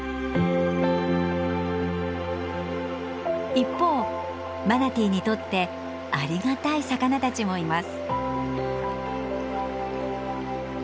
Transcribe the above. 一方マナティーにとってありがたい魚たちもいます。